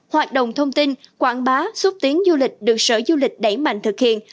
hoạt động thông tin quảng bá xúc tiến du lịch được sở du lịch đẩy mạnh thực hiện